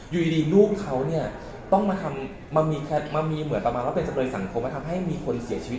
อยู่ดีลูกเขาเนี่ยต้องมามีเหมือนประมาณว่าเป็นจำเลยสังคมมาทำให้มีคนเสียชีวิต